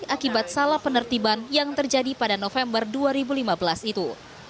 akibat salah penertiban yang terjadi pada november dua ribu lima belas itu